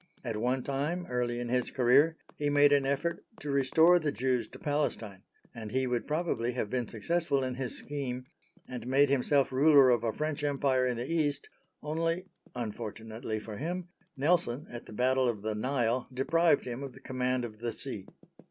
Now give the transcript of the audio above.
At one time, early in his career, he made an effort to restore the Jews to Palestine, and he would probably have been successful in his scheme, and made himself ruler of a French Empire in the East, only, unfortunately for him, Nelson, at the battle of the Nile, deprived him of the command of the sea.